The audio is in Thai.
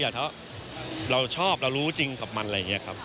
ก็อยากเพราะเราชอบเรารู้จริงของมันอะไรอย่างนี้ครับ